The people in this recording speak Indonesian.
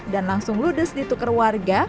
dan langsung ludes ditukar warga